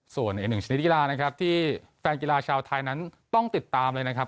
ส่วนอีกหนึ่งชนิดกีฬานะครับที่แฟนกีฬาชาวไทยนั้นต้องติดตามเลยนะครับ